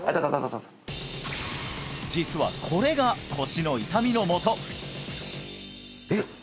実はこれが腰の痛みのもとえっ